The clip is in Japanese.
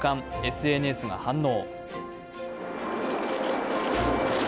ＳＮＳが反応。